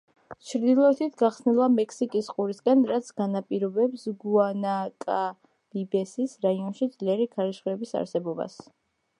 ჩრდილოეთით გახსნილა მექსიკის ყურისკენ, რაც განაპირობებს გუანააკაბიბესის რაიონში ძლიერი ქარიშხლების არსებობას.